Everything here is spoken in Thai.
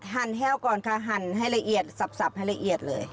ั่นแห้วก่อนค่ะหั่นให้ละเอียดสับให้ละเอียดเลย